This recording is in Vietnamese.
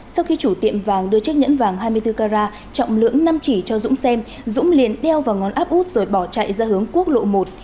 sau khi chủ tiệm vàng đưa chiếc nhẫn vàng hai mươi bốn carat trọng lượng năm chỉ cho dũng xem dũng liền đeo vào ngón áp út rồi bỏ chạy ra hướng quốc lộ một